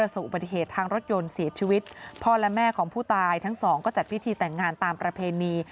สู่อุบัติเหตุทางรถยนต์เสียชีวิตพ่อและแม่ของผู้ตายทั้งสองก็จัดพิธีแต่งงานตามประเพณี